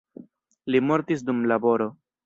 Li mortis dum laboro.